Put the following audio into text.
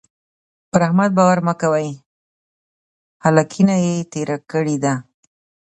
پر احمد باور مه کوئ؛ هلکينه يې تېره کړې ده.